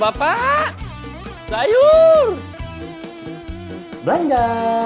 bapak sayur belanja